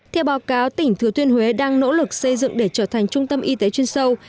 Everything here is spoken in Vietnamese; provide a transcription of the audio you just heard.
theo báo cáo tỉnh thừa thiên huế đang nỗ lực xây dựng để trở thành trung tâm y tế chuyên sâu